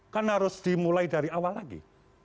kan harus dimulai dari awal lagi